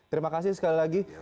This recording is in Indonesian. terima kasih sekali lagi